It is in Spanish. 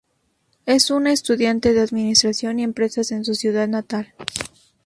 Es una estudiante de Administración y Empresas en su ciudad natal.